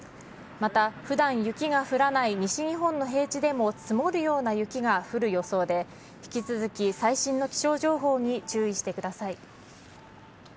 また、ふだん雪が降らない西日本の平地でも積もるような雪が降る予想で、引き続き最新の気象情報に注意してください。